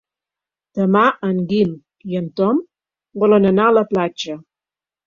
Demà en Guim i en Tom volen anar a la platja.